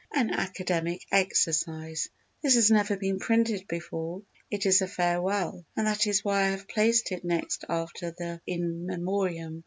An Academic Exercise This has never been printed before. It is a Farewell, and that is why I have placed it next after the In Memoriam.